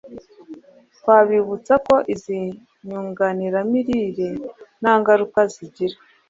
Twabibutsa ko izi nyunganiramirire nta ngaruka zigira